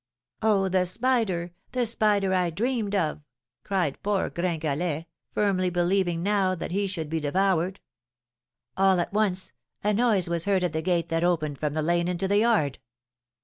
'Oh, the spider! The spider I dreamed of!' cried poor Gringalet, firmly believing now that he should be devoured. All at once a noise was heard at the gate that opened from the lane into the yard.